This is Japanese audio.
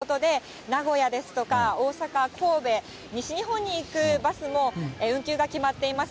また夜にかけて、台風の影響があるということで、名古屋ですとか大阪、神戸、西日本に行くバスも運休が決まっています。